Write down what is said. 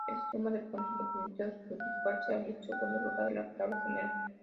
Esta suma de puntos le permitió adjudicarse, el segundo lugar de la Tabla General.